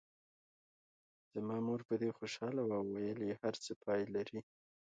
زما مور په دې خوشاله وه او ویل یې هر څه پای لري.